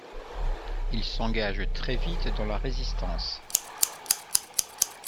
Il s'engage très vite dans la Résistance.